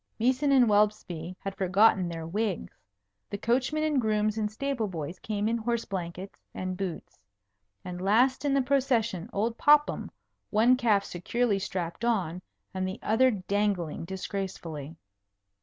Meeson and Welsby had forgotten their wigs. The coachman and grooms and stable boys came in horse blankets and boots. And last in the procession, old Popham, one calf securely strapped on, and the other dangling disgracefully.